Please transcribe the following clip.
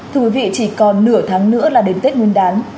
thưa quý vị chỉ còn nửa tháng nữa là đến tết nguyên đán